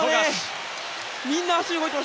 みんな足が動いてた。